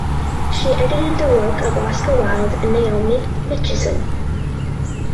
She edited the work of Oscar Wilde and Naomi Mitchison.